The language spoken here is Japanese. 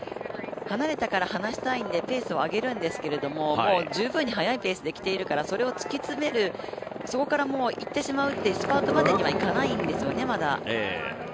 離れたから離したいのでペースを上げるんですけど十分に速いペースできているから、それを突き詰めるそこからいってしまうってスパートまでにはいかないんですよね、まだ。